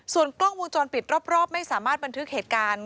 ส่วนกล้องวงจรปิดรอบไม่สามารถบันทึกเหตุการณ์